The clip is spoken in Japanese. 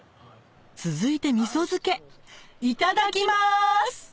続いて味噌漬けいただきます！